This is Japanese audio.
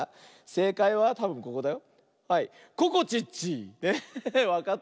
せいかいはたぶんここだよ。